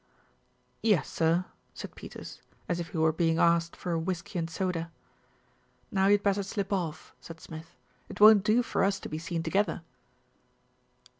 "Yes, sir," said Peters as if he were being asked for a whisky and soda. "Now you had better slip off," said Smith. "It won't do for us to be seen together."